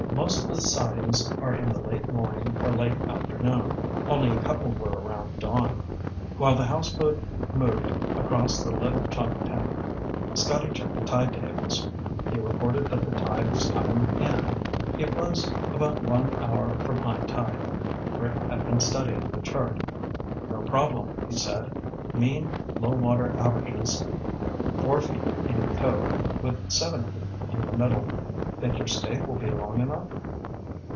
"Most of the sightings are in the late morning or late afternoon. Only a couple were around dawn." While the houseboat moved across the Little Choptank, Scotty checked the tide tables. He reported that the tide was coming in. It was about one hour from high tide. Rick had been studying the chart. "No problem," he said. "Mean low water averages four feet in the cove, with seven feet in the middle. Think your stake will be long enough?"